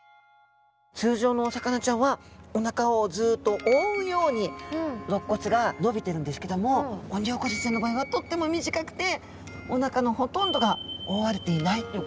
通常のお魚ちゃんはお腹をずっと覆うように肋骨が伸びてるんですけどもオニオコゼちゃんの場合はとっても短くてお腹のほとんどが覆われていないっていうことなんですね。